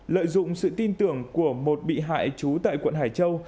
lợi dụng sự tin tưởng của một bị hại trú tại quận hải châu